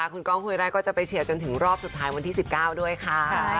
คุณก้องห้วยไร่ก็จะไปเชียร์จนถึงรอบสุดท้ายวันที่๑๙ด้วยค่ะ